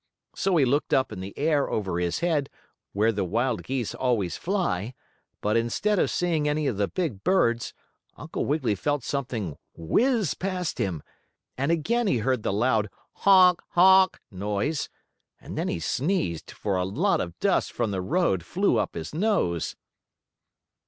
So he looked up in the air, over his head, where the wild geese always fly, but, instead of seeing any of the big birds, Uncle Wiggily felt something whizz past him, and again he heard the loud "Honk honk!" noise, and then he sneezed, for a lot of dust from the road flew up his nose.